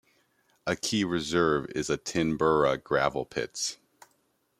A key reserve is Attenborough Gravel Pits.